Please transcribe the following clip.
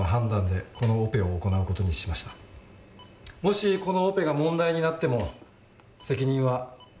もしこのオペが問題になっても責任は全て僕が取ります。